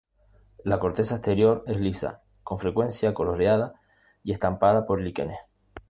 La corteza exterior es lisa, con frecuencia coloreada y estampada por líquenes.